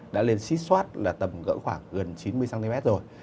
đã lên xích xoát là tầm gỡ khoảng gần chín mươi cm rồi